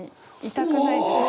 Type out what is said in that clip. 痛くないですか？